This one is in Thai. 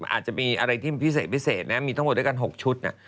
อาจจะมีอะไรที่พิเศษพิเศษนะมีทั้งหมดด้วยกัน๖ชุด